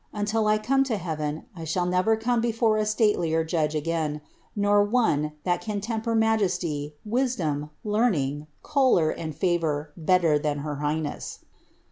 Until I come to leaTen, I shall never come before a statelier judge again, nor one that stn temper majesty, wisdom, learning, choler, and favour better than ler highness."